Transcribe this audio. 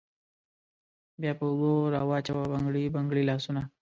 بیا په اوږو راوچوه بنګړي بنګړي لاسونه